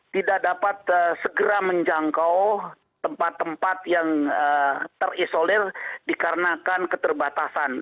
tidak dapat segera menjangkau tempat tempat yang terisolir dikarenakan keterbatasan